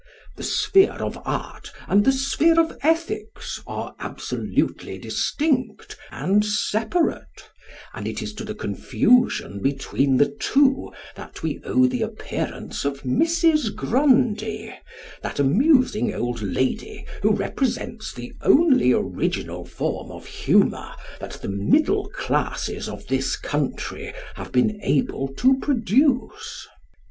The sphere of art and the sphere of ethics are absolutely distinct and separate; and it is to the confusion between the two that we owe the appearance of Mrs. Grundy, that amusing old lady who represents the only original form of humour that the middle classes of this country have been able to produce.